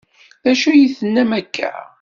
D acu ay d-tennam akka?